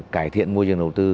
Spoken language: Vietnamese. cải thiện môi trường đầu tư